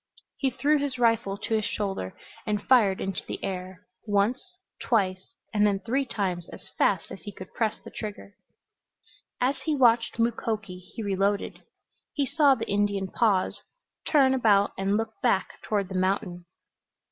He threw his rifle to his shoulder and fired into the air; once, twice and then three times as fast as he could press the trigger. As he watched Mukoki he reloaded. He saw the Indian pause, turn about and look back toward the mountain.